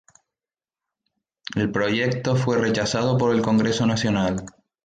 El proyecto fue rechazado por el Congreso Nacional.